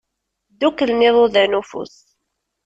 Dduklen iḍudan n ufus.